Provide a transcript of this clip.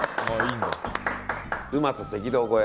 うまさ赤道越え。